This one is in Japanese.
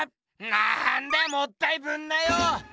なんだよもったいぶんなよ！